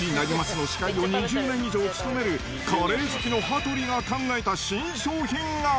の司会を２０年以上務めるカレー好きの羽鳥が考えた新商品は。